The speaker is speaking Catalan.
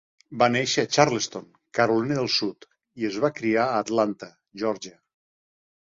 Va néixer a Charleston, Carolina del Sud i es va criar a Atlanta, Georgia.